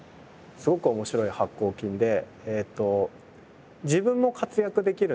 すごく面白い発酵菌で。